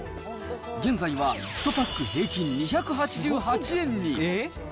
現在は１パック平均２８８円に。